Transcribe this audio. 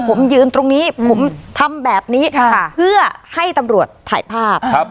ผมยืนตรงนี้ผมทำแบบนี้เพื่อให้ตำรวจถ่ายภาพครับ